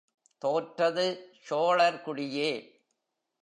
தோற்றது சோழர் குடியே!